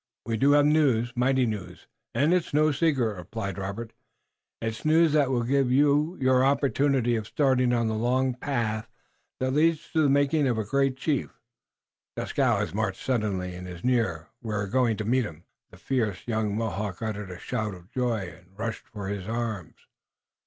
"We do have news, mighty news, and it is no secret," replied Robert. "It's news that will give you your opportunity of starting on the long path that leads to the making of a great chief. Dieskau has marched suddenly and is near. We're going to meet him." The fierce young Mohawk uttered a shout of joy and rushed for his arms.